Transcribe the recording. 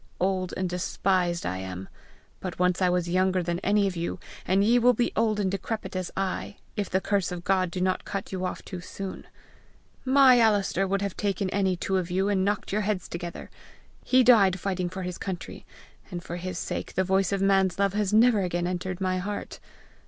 Old and despised I am, but once I was younger than any of you, and ye will be old and decrepit as I, if the curse of God do not cut you off too soon. My Alister would have taken any two of you and knocked your heads together. He died fighting for his country; and for his sake the voice of man's love has never again entered my heart!